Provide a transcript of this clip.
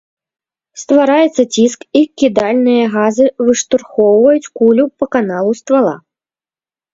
Ствараецца ціск і кідальныя газы выштурхоўваюць кулю па каналу ствала.